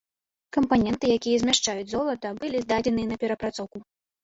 Кампаненты, якія змяшчаюць золата, былі здадзеныя на перапрацоўку.